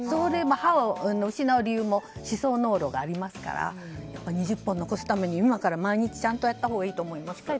歯を失う理由も歯槽膿漏がありますから２０本残すために今から毎日ちゃんとやったほうがいいと思います。